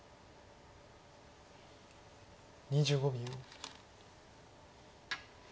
２５秒。